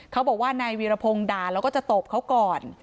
เขาบอกว่านายวีรพงศ์ด่าแล้วก็จะตบเขาก่อน